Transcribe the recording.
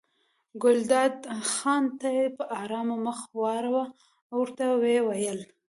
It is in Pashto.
ګلداد خان ته یې په ارامه مخ واړاوه او ورته ویې ویل.